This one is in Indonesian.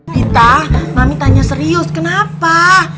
kita mami tanya serius kenapa